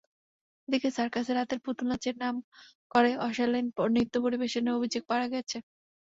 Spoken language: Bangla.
এদিকে সার্কাসে রাতে পুতুলনাচের নাম করে অশালীন নৃত্য পরিবেশনের অভিযোগ পাওয়া গেছে।